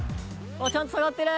「ちゃんと下がってる。